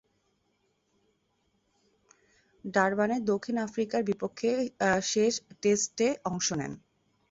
ডারবানে দক্ষিণ আফ্রিকার বিপক্ষে শেষ টেস্টে অংশ নেন।